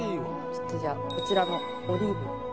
じゃあこちらのオリーブ。